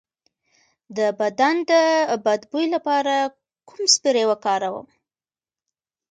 د بدن د بد بوی لپاره کوم سپری وکاروم؟